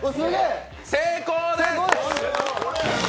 成功です！